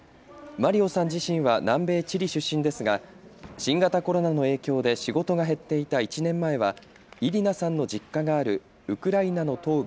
マリオさん自身は南米チリ出身ですが新型コロナの影響で仕事が減っていた１年前はイリナさんの実家があるウクライナの東部